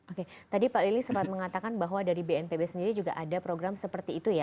oke tadi pak lili sempat mengatakan bahwa dari bnpb sendiri juga ada program seperti itu ya